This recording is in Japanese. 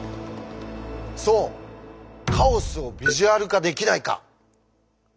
そうカオスをビジュアル化できないか。